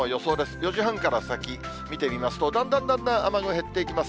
４時半から先、見てみますと、だんだんだんだん雨雲減っていきます。